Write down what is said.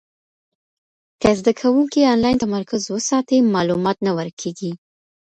که زده کوونکی انلاین تمرکز وساتي، معلومات نه ورکېږي.